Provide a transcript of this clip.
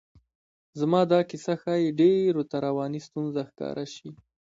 زما دا کیسه ښایي ډېرو ته رواني ستونزه ښکاره شي.